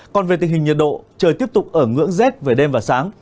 còn về tình hình nhiệt độ trời tiếp tục ở ngưỡng rét về đêm và sáng